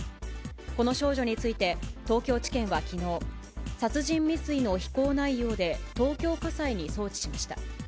この少女について、東京地検はきのう、殺人未遂の非行内容で、東京家裁に送致しました。